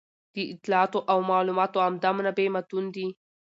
د اطلاعاتو او معلوماتو عمده منبع متون دي.